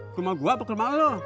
ke rumah gue apa ke rumah lo